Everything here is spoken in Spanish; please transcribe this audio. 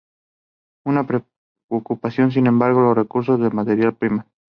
Una preocupación, sin embargo: los recursos de materias primas.